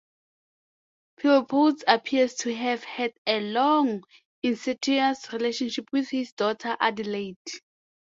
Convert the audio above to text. Philpotts appears to have had a long incestuous relationship with his daughter Adelaide.